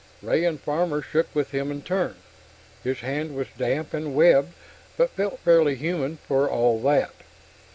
Ray and Farmer shook with him in turn. His hand was damp and webbed, but felt fairly human for all that.